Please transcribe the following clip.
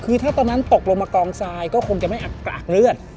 คือถ้าตอนนั้นตกลงมากองทรายก็คงจะไม่อักกรากเลือด